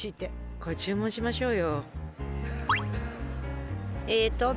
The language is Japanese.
これ注文しましょうよ。